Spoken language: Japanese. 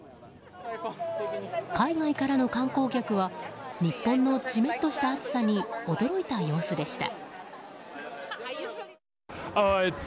海外からの観光客は日本のジメッとした暑さに驚いた様子でした。